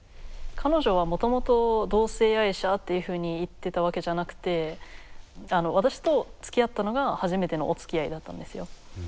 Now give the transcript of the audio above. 彼女はもともと同性愛者っていうふうに言ってたわけじゃなくて私とつきあったのが初めてのおつきあいだったんですよ。